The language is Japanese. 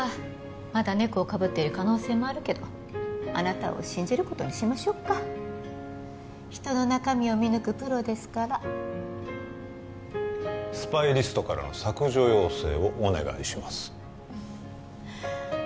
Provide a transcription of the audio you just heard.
まだ猫をかぶっている可能性もあるけどあなたを信じることにしましょうか人の中身を見抜くプロですからスパイリストからの削除要請をお願いします